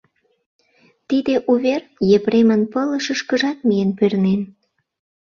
Тиде увер Епремын пылышышкыжат миен пернен.